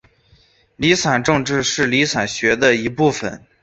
离散政治是离散学的一部份。